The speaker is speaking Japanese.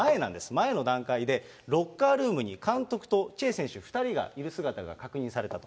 前の段階で、ロッカールームに監督とチェ選手、２人がいる姿が確認されたと。